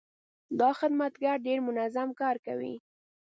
دا خدمتګر ډېر منظم کار کوي.